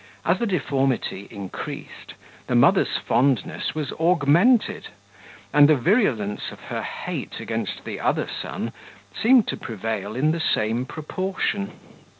As the deformity increased, the mother's fondness was augmented, and the virulence of her hate against the other son seemed to prevail in the same proportion.